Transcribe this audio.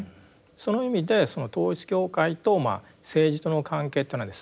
その意味で統一教会と政治との関係っていうのはですね